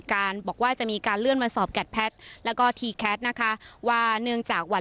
การบอกว่าจะมีการเลื่อนมาสอบแกดแพทย์แล้วก็ทีแคทนะคะว่าเนื่องจากวัน